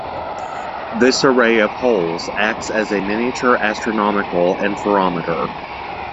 This array of holes acts as a miniature astronomical interferometer.